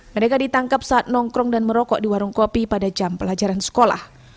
mereka ditangkap saat nongkrong dan merokok di warung kopi pada jam pelajaran sekolah